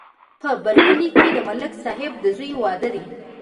په بر کلي کې د ملک صاحب د زوی واده دی.